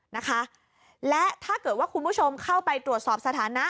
นะคะและถ้าเกิดว่าคุณผู้ชมเข้าไปตรวจสอบสถานะ